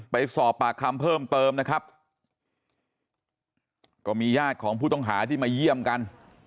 ไปสอบปากคำเพิ่มเติมนะครับก็มีญาติของผู้ต้องหาที่มาเยี่ยมกัน